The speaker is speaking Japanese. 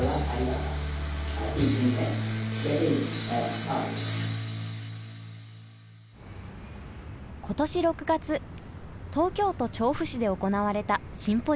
今年６月東京都調布市で行われたシンポジウム。